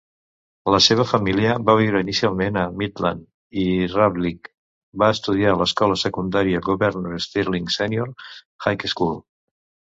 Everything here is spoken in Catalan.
La seva família va viure inicialment a Midland, i Ravlich va estudiar a l'escola secundària Governor Stirling Senior High School.